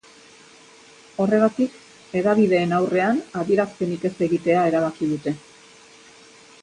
Horregatik hedabideen aurrean adierazpenik ez egitea erabaki dute.